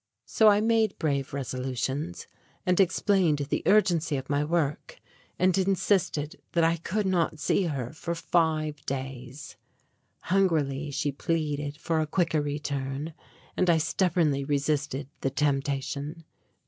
So I made brave resolutions and explained the urgency of my work and insisted that I could not see her for five days. Hungrily she pleaded for a quicker return; and I stubbornly resisted the temptation.